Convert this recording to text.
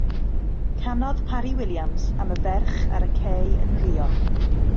Canodd Parry-Williams am y ferch ar y cei yn Rio.